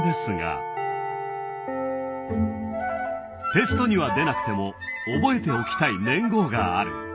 テストには出なくても覚えておきたい年号がある。